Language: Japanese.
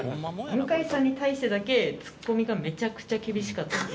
向さんに対してだけツッコミがめちゃくちゃ厳しかったって。